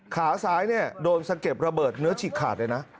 ขาซ้ายเนี่ยโดนสะเก็ดระเบิดเนื้อฉีกขาดเลยนะ